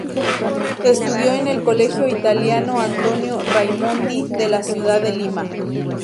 Estudió en el Colegio Italiano Antonio Raimondi de la ciudad de Lima.